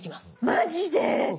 マジで！